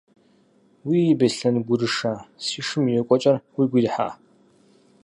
Уий, Беслъэн гурышэ, си шым и кӀуэкӀэр уигу ирихьа?